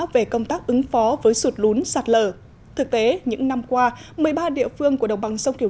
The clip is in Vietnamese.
về công tác ứng phó với sụt lún sạt lở thực tế những năm qua một mươi ba địa phương của đồng bằng sông kiều